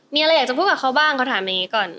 มีอะไรอยากจะพูดกับเขาบ้างเขาถามอย่างนี้ก่อน